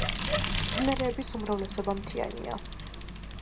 მდინარეების უმრავლესობა მთიანია.